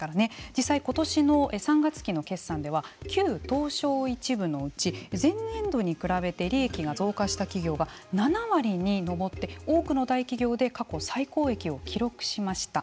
実際ことしの３月期の決算では旧東証一部のうち前年度に比べて利益が増加した企業が７割に上って多くの大企業で過去最高益を記録しました。